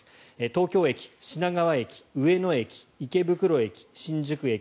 東京駅、品川駅、上野駅池袋駅、新宿駅